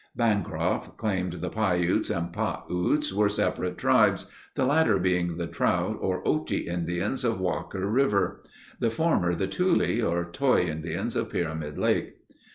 Bancroft claimed the Piutes and Pah Utes were separate tribes, the latter being the Trout or Ochi Indians of Walker River; the former the Tule (or Toy) Indians of Pyramid Lake.